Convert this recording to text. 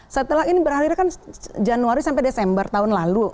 setelah ini berakhir kan januari sampai desember tahun lalu